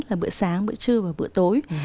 là bữa sáng bữa trưa và bữa tối